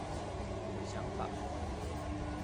有想法